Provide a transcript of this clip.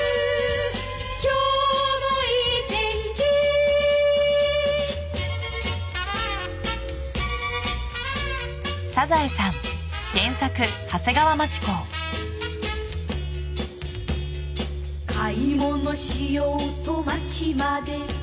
「今日もいい天気」「買い物しようと街まで」